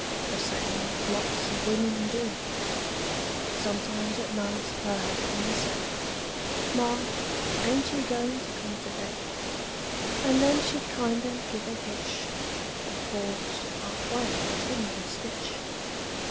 The same as lots of wimmin do; Sometimes at night her husban' said, "Ma, ain't you goin' to come to bed?" And then she'd kinder give a hitch, And pause half way between a stitch.